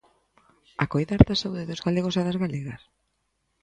¿A coidar da saúde dos galegos e das galegas?